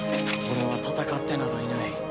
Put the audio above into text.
俺は戦ってなどいない。